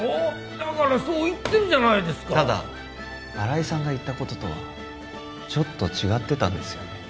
だからそう言ってんじゃないですかただ新井さんが言ったこととはちょっと違ってたんですよね